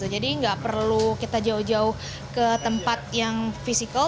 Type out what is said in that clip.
jadi tidak perlu kita jauh jauh ke tempat yang fisikal